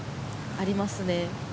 ありますね。